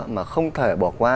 mà không thể bỏ qua